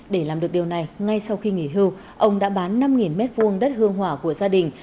để làm được điều này ngay sau khi nghỉ hưu ông đã bán năm m hai đất hương hỏa của gia đình